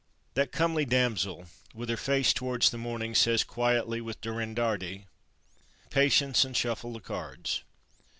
That comely damsel, with her face towards the morning, says, quietly, with Durandarte, "Patience, and shuffle the cards."